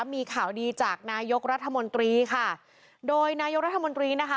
มีข่าวดีจากนายกรัฐมนตรีค่ะโดยนายกรัฐมนตรีนะคะ